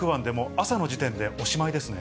朝の時点でおしまいですね。